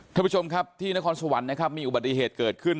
ท่านผู้ชมครับที่นครสวรรค์นะครับมีอุบัติเหตุเกิดขึ้น